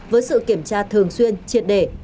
với sự kiểm tra thường xuyên triệt đề